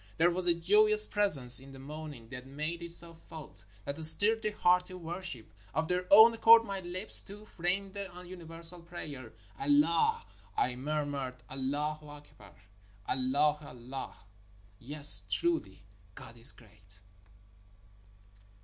There was a joyous presence in the morning that made itself felt — that stirred the heart to worship. Of their own accord my lips, too, framed the universal prayer .'' Allah !" I murmured ,'' Allah Akbar ! Allah il Allah! Yes, truly, God is great."